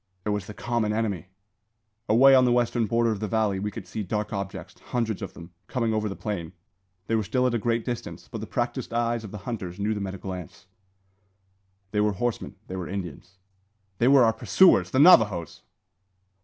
It was the common enemy! Away on the western border of the valley we could see dark objects, hundreds of them, coming over the plain. They were still at a great distance, but the practised eyes of the hunters knew them at a glance. They were horsemen; they were Indians; they were our pursuers, the Navajoes!